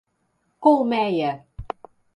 Colméia